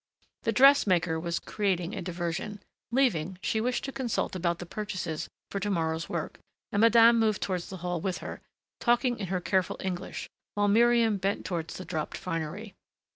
The dressmaker was creating a diversion. Leaving, she wished to consult about the purchases for to morrow's work, and madame moved towards the hall with her, talking in her careful English, while Miriam bent towards the dropped finery.